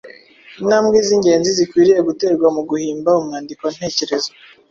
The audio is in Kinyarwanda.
Intambwe z’ingenzi zikwiriye guterwa mu guhimba umwandiko ntekerezo